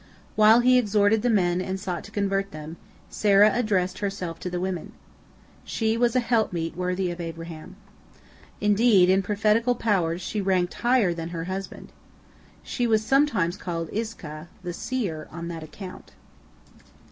While he exhorted the men and sought to convert them, Sarah addressed herself to the women. She was a helpmeet worthy of Abraham. Indeed, in prophetical powers she ranked higher than her husband. She was sometimes called Iscah, "the seer," on that account.